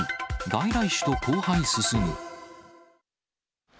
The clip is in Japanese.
外来種と交配進む。